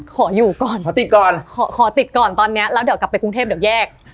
ขออยู่ก่อนขอติดก่อนขอขอติดก่อนตอนเนี้ยแล้วเดี๋ยวกลับไปกรุงเทพเดี๋ยวแยก